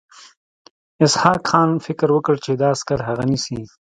اسحق خان فکر وکړ چې دا عسکر هغه نیسي.